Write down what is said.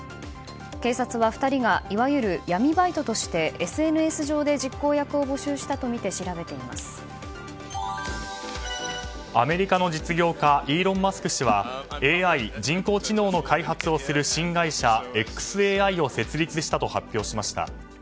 警察は、２人がいわゆる闇バイトとしてＳＮＳ上で実行役を募集したとみてアメリカの実業家イーロン・マスク氏はＡＩ・人工知能の開発をする新会社ｘＡＩを設立したと発表しました。